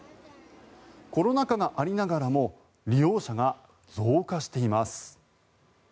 コロナ禍がありながらも利用者が増加しています。